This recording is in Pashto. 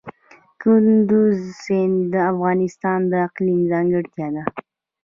کندز سیند د افغانستان د اقلیم ځانګړتیا ده.